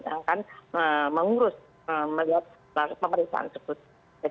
yang akan mengurus melihat pemeriksaan tersebut